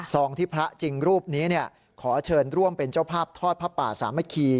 ทรองที่พระจริงรูปนี้เนี่ยขอเชิญร่วมเป็นเจ้าภาพทอดพระป่าสามคี